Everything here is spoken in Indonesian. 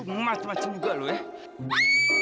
kau macem macem juga lu ya